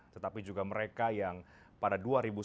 tetapi juga mereka yang pada dua ribu sembilan belas